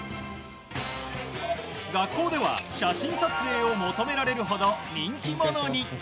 学校では写真撮影を求められるほど人気者に。